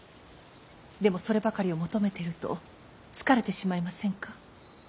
でもそればかりを求めていると疲れてしまいませんか。